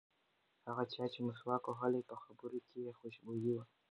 هغه چا چې مسواک وهلی و په خبرو کې یې خوشبويي وه.